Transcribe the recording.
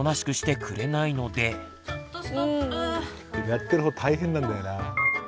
やってる方大変なんだよな。